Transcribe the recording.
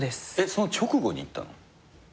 その直後に行ったの？